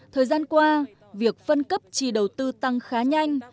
thời gian qua việc phân cấp trì đầu tư tăng khá nhanh